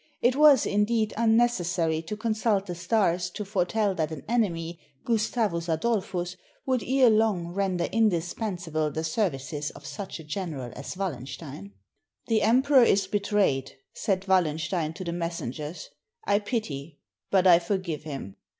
It was, indeed, unnecessary to consult the stars to foretell that an enemy, Gustavus Adolphus, would ere long render indispensable the services of such a general as Wallen stein. ''The Emperor is betrayed," said Wallenstein to the messengers: "I pity, but I forgive him.